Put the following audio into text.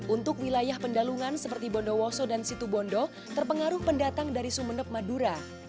untuk wilayah pendalungan seperti bondowoso dan situbondo terpengaruh pendatang dari sumeneb madura